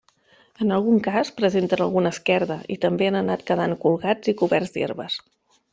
En algun cas, presenten alguna esquerda i també han anat quedant colgats i coberts d'herbes.